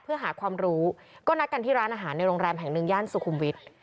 เพื่อหาความรู้ก็นัดกันที่ร้านอาหารในโรงแรมแห่งหนึ่งย่านสุขุมวิทย์